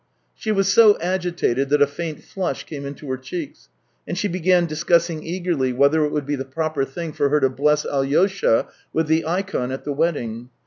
She was so agitated that a faint flush came into her cheeks, and she began discussing eagerly whether it would be the proper thing for her to bless Alyosha with the ikon at the wedding.